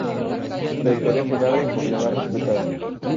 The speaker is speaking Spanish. Su trayectoria fue larga y por demás respetada.